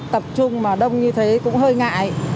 tập trung mà đông như thế cũng hơi ngại